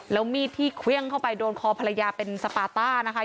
แล้วมีดที่เครื่องเข้าไปโดนคอภรรยาเป็นสปาต้านะคะ